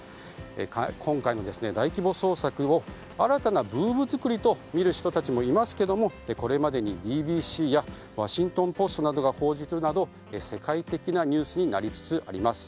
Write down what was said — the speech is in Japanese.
今回の大規模捜索を新たなブーム作りとみる人たちもいますけれどもこれまでにＢＢＣやワシントン・ポストが報じているなど世界的なニュースになりつつあります。